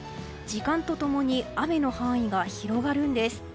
時間と共に雨の範囲が広がるんです。